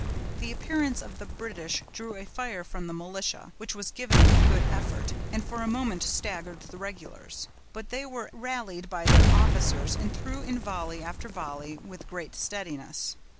The appearance of the British drew a fire from the militia, which was given with good effect, and for a moment staggered the regulars. But they were rallied by their officers, and threw in volley after volley with great steadiness.